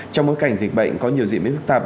trong bối cảnh dịch bệnh có nhiều diễn biến phức tạp